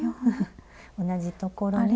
同じところに。